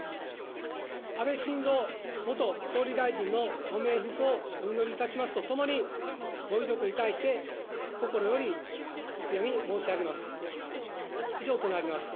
安倍晋三元総理大臣のご冥福をお祈りいたしますとともに、ご遺族に対して心よりお悔やみ申し上げます。